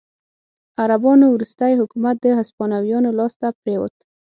عربانو وروستی حکومت د هسپانویانو لاسته پرېوت.